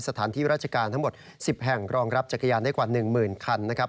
สถานที่ราชการทั้งหมด๑๐แห่งรองรับจักรยานได้กว่า๑๐๐๐คันนะครับ